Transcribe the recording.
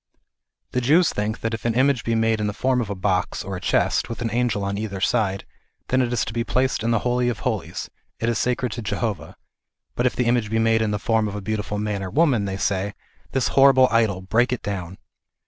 The Jews think that if an image be made in the form of a box, or a chest, with an angel on either side, then it is to be placed in the Holy of Holies ; it is sacred to Jehovah ; but if the image be made in the form of a beautiful man or woman, they say " This horri ble idol ; break it down